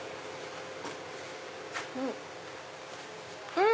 うん！